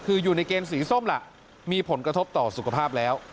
คืออยู่ในเกณฑ์สีส้มล่ะมีผลกระทบต่อสุขภาพแล้ว